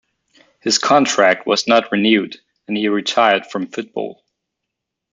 His contract was not renewed and he retired from football.